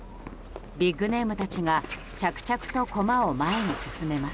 ビッグネームたちが着々と駒を前に進めます。